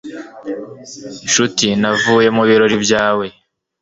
nshuti, navuye mu birori byawe